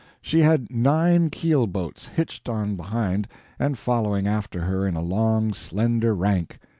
She had nine keel boats hitched on behind and following after her in a long, slender rank.